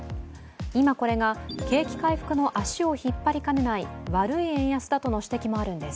今、これが景気回復の足を引っ張りかねない悪い円安だとの指摘もあるんです。